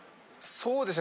そうですね。